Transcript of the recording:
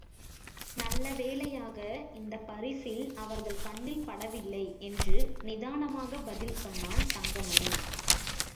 நல்ல வேளையாக இந்தப் பரிசல் அவர்கள் கண்ணில் படவில்லை என்று நிதானமாகப் பதில் சொன்னான் தங்கமணி.